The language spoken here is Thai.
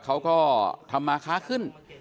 เขาก็ทำมาค้าขึ้น